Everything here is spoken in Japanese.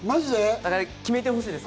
だから決めてほしいです。